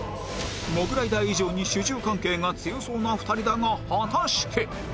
モグライダー以上に主従関係が強そうな２人だが果たして